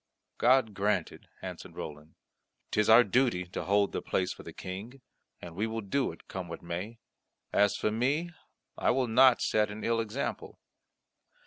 "God grant it," answered Roland. "'Tis our duty to hold the place for the King, and we will do it, come what may. As for me, I will not set an ill example."